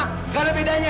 tidak ada bedanya